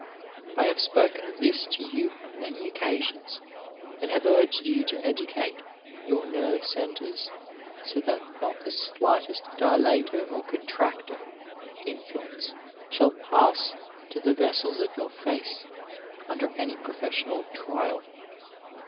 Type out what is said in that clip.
I have spoken of this to you on many occasions^ 4 Digitized by Google AEQUANIMITAfl and have urged yon to educate your nerve centres so that not the aUghteet dilator or contractor influence shall pass to the vessels of your face under any professional trial.